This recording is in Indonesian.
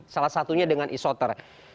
salah satunya dengan isoter